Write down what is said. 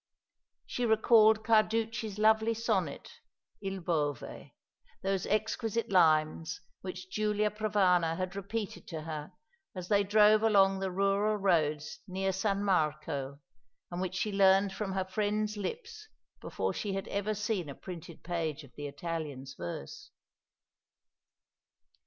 She recalled Carducci's lovely sonnet, "Il Bove," those exquisite lines which Giulia Provana had repeated to her as they drove along the rural roads near San Marco, and which she learned from her friend's lips before she had ever seen a printed page of the Italian's verse.